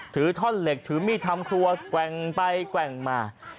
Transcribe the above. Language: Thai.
ถือท่อนเหล็กถือมีดทำครัวแกว่งไปแกว่งมา